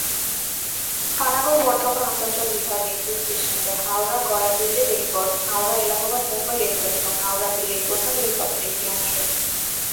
পানাগড় বর্ধমান-আসানসোল বিভাগে একটি স্টেশন, যা হাওড়া-গয়া-দিল্লি রেলপথ, হাওড়া-এলাহাবাদ-মুম্বাই রেলপথ এবং হাওড়া-দিল্লির প্রধান রেলপথের একটি অংশ।